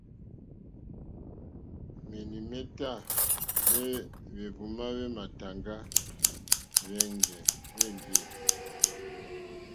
Menimeta me hwehvuma hwe matàŋga hweŋge.